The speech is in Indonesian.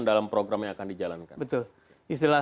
dalam program yang akan dijalankan betul istilah